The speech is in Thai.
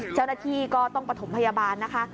เจ้าหน้าที่ก็ต้องประถมพยาบาลนะคะ